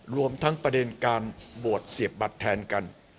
รวมทั้งประเด็นการโหวตเสียบบัตรแทนกัน